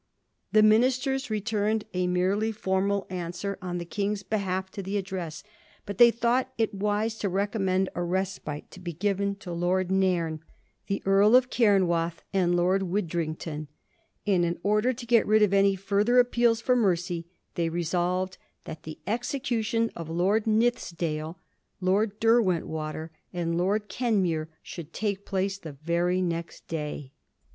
The ministers returned a merely formal answer on the King's behalf to the address, but they thought it wise to recommend a respite to be given to Lord Nairn, the Earl of Camwath, and Lord Widdrington ; and in order to get rid of any ftirther appeals for mercy, they resolved that the execution of Lord Nithisdale, Lord Derwentwater, and Lord Ken mure should take place the very next day.